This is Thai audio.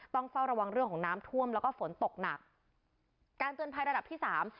ต้องเฝ้าระวังเรื่องของน้ำท่วมแล้วก็ฝนตกหนักการเตือนภัยระดับที่สาม